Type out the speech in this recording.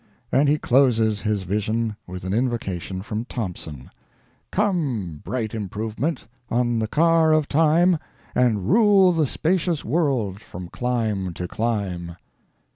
And he closes his vision with an invocation from Thomson: "Come, bright Improvement! on the car of Time, And rule the spacious world from clime to clime."